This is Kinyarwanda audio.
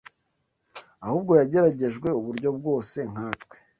ahubwo yageragejwe uburyo bwose nkatwe